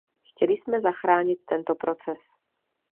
Chtěli jsme zachránit tento proces.